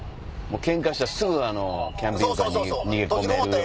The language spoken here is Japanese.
ケンカしたらすぐキャンピングカーに逃げ込める。